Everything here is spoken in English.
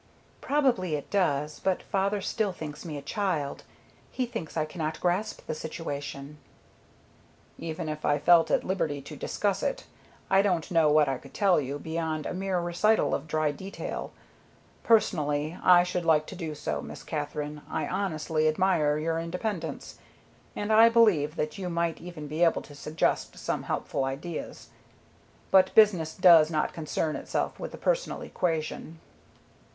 "Probably it does, but father still thinks me a child. He thinks I cannot grasp the situation." "Even if I felt at liberty to discuss it, I don't know what I could tell you beyond a mere recital of dry detail. Personally, I should like to do so, Miss Katherine; I honestly admire your independence, and I believe that you might even be able to suggest some helpful ideas, but business does not concern itself with the personal equation."